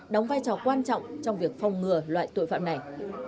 đóng vai trò quan trọng trong việc phòng ngừa loại tội phạm này